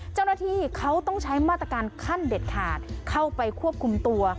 เจ้าหน้าที่เขาต้องใช้มาตรการขั้นเด็ดขาดเข้าไปควบคุมตัว